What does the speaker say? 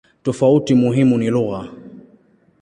Tofauti muhimu ni lugha.